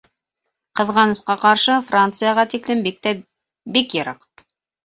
Ҡыҙғанысҡа ҡаршы Францияға тиклем бик тә бик йыраҡ.